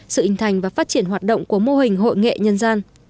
sự hình thành và phát triển hoạt động của mô hình hội nghệ nhân gian